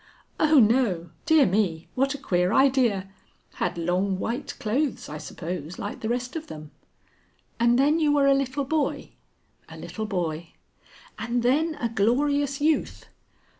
"Oh no! Dear me! What a queer idea! Had long white clothes, I suppose, like the rest of them." "And then you were a little boy?" "A little boy." "And then a glorious youth?"